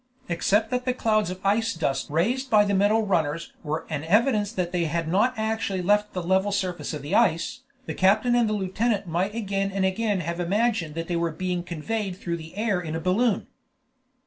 Except that the clouds of ice dust raised by the metal runners were an evidence that they had not actually left the level surface of the ice, the captain and lieutenant might again and again have imagined that they were being conveyed through the air in a balloon.